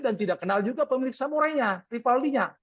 dan tidak kenal juga pemilik samurai nya ripaldi nya